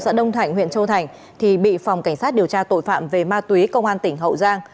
xã đông thạnh huyện châu thành thì bị phòng cảnh sát điều tra tội phạm về ma túy công an tỉnh hậu giang